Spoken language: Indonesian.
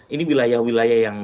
ini wilayah wilayah yang